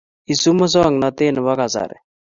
Isub musongnotet nebo kasari